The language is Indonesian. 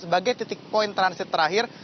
sebagai titik poin transit terakhir